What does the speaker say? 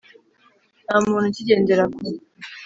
Nta muntu ukigendera ku